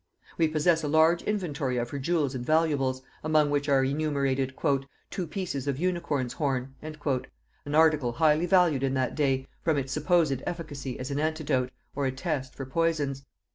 We possess a large inventory of her jewels and valuables, among which are enumerated "two pieces of unicorn's horn," an article highly valued in that day, from its supposed efficacy as an antidote, or a test, for poisons.